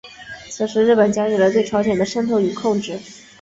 此时日本加紧了对朝鲜的渗透和控制。